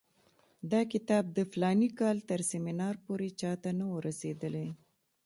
دا کتاب د فلاني کال تر سیمینار پورې چا ته نه وو رسېدلی.